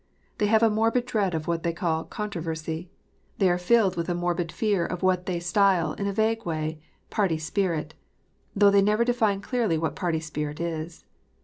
They have a morbid dread of what they call " controversy." They are filled with a morbid fear of what they style, in a vague way, "party spirit," though they /never define clearly what party spirit is.